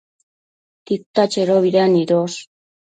Tita chedobida nidosh?